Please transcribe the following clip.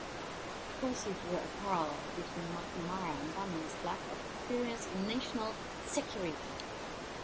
Tracy drew a parallel between McNamara and Bannon's lack of experience in national security.